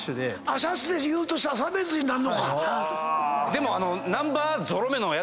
でも。